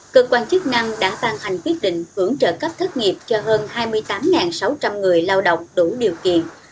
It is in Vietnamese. cơ quan chức năng đã ban hành quyết định hưởng trợ cấp thất nghiệp cho hơn hai mươi tám sáu trăm linh người lao động đủ điều kiện